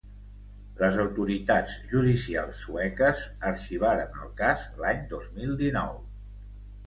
Les autoritats judicials sueques arxivaren el cas l’any dos mil dinou.